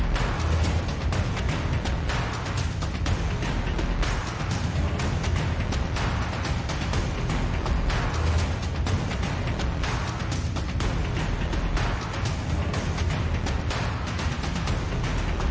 ชัดชัดฮะอืม